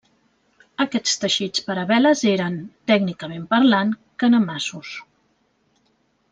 Aquests teixits per a veles eren, tècnicament parlant, canemassos.